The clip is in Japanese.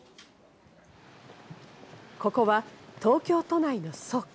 ここは東京都内の倉庫。